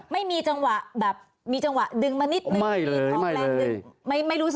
ไม่มีจังหวะดึงมานิดหนึ่งไม่รู้สึกเชิญกับตอนนั้น